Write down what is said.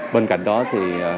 bên cạnh đó thì